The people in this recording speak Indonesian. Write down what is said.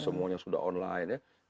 semuanya sudah online ya